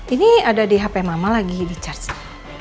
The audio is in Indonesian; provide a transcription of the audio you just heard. ini ada di hp mama lagi di charge